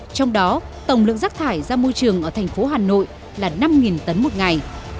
trong đó tổng lượng rác thải ra môi trường ở thành phố hà nội là năm tấn một ngày